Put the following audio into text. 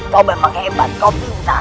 kau memang hebat kau pintar